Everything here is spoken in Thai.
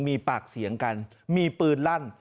มีปากเสียงกันมีปืนลั่น